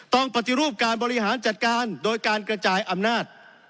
ต้องปฏิรูปการบริหารจัดการโดยการกระจายอำนาจ